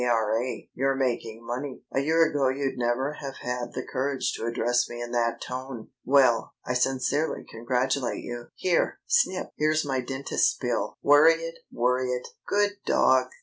R.A. you're making money. A year ago you'd never have had the courage to address me in that tone. Well, I sincerely congratulate you.... Here, Snip, here's my dentist's bill worry it, worry it! Good dog!